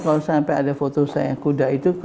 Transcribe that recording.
kalau sampai ada foto saya kuda itu